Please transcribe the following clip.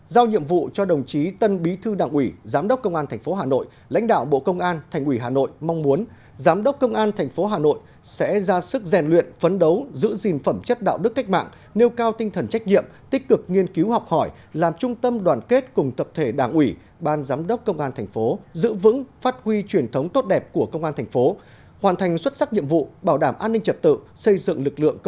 giao nhiệm vụ cho đồng chí tân bí thư đảng ủy giám đốc công an tp hà nội lãnh đạo bộ công an thành ủy hà nội mong muốn giám đốc công an tp hà nội sẽ ra sức rèn luyện phấn đấu giữ gìn phẩm chất đạo đức cách mạng nêu cao tinh thần trách nhiệm tích cực nghiên cứu học hỏi làm trung tâm đoàn kết cùng tập thể đảng ủy ban giám đốc công an tp giữ vững phát huy truyền thống tốt đẹp của công an tp hoàn thành xuất sắc nhiệm vụ bảo đảm an ninh trật tự xây dựng lực lượng c